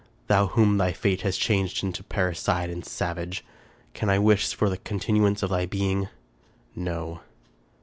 Thou whom thy fate has changed into parricide and savage! Can I wish for the continuance of thy being? No."